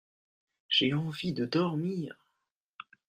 J'ai envie de dormir.